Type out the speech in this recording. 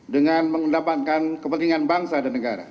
dengan mengendapankan kepentingan bangsa dan negara